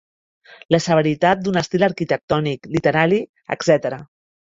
La severitat d'un estil arquitectònic, literari, etc.